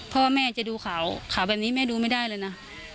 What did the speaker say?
เพราะว่าแม่จะดูข่าวแบบนี้แม่ดูไม่ได้เลยนะ